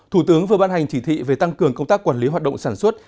thủ tướng vừa ban hành chỉ thị về tăng cường công tác quản lý hoạt động sản xuất